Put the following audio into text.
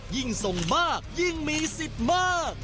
ยิ่งส่งมากยิ่งมีสิทธิ์มาก